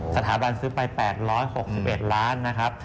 สถาบันซื้อไป๘๖๑ล้านนะครับ